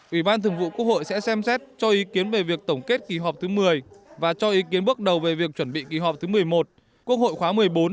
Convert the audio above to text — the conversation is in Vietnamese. ubthq sẽ xem xét cho ý kiến về việc tổng kết kỳ họp thứ một mươi và cho ý kiến bước đầu về việc chuẩn bị kỳ họp thứ một mươi một quốc hội khóa một mươi bốn